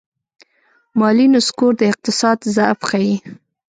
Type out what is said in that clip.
مالي نسکور د اقتصاد ضعف ښيي.